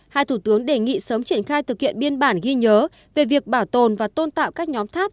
hai thủ tướng đề nghị sớm triển khai thực hiện biên bản ghi nhớ về việc bảo tồn và tôn tạo các nhóm tháp